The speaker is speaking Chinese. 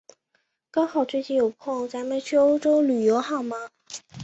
刚好最近有空，咱们去欧洲旅游好吗？